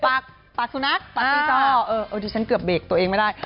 ปักสุนัขปักปีจอดดิฉันเกือบเบรคตัวเองไม่ได้